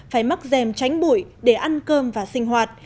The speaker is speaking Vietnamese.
phải mắc dèm tránh bụi để ăn cơm và sinh hoạt